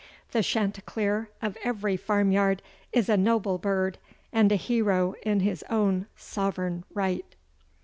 The chanticleer of every farmyard is a noble bird and a hero in his own sovereign right.